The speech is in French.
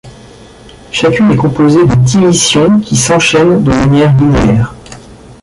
Chacune est composée de dix missions qui s'enchaine de manière linéaire.